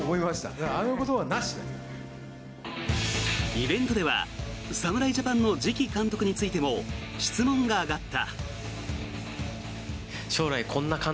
イベントでは侍ジャパンの次期監督についても質問が上がった。